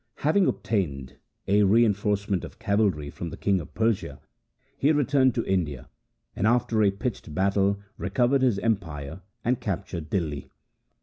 Having obtained a reinforce ment of cavalry from the king of Persia, he returned to India, and after a pitched battle recovered his empire and captured Dihli.